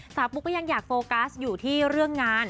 ปุ๊กก็ยังอยากโฟกัสอยู่ที่เรื่องงาน